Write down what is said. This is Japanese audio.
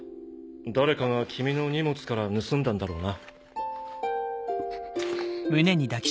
誰かが君の荷物から盗んだんだろうな。